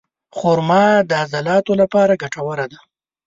خرما د عضلاتو لپاره ګټوره ده.